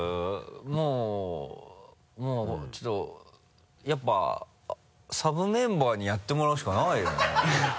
もうもうちょっとやっぱサブメンバーにやってもらうしかないよねこれ。